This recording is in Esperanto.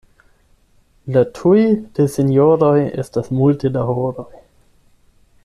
La "tuj" de sinjoroj estas multe da horoj.